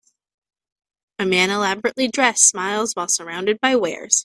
A man, elaborately dressed, smiles while surrounded by wares.